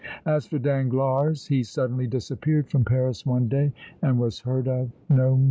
As for Danglars, he suddenly disappeared from Paris one day and was heard of no more.